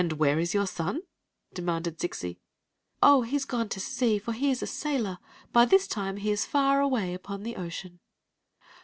where is your son?" demanded Zixi. •*Oh, he is gone to sea, for he is a sailor. By this time he is far away upon the ocean.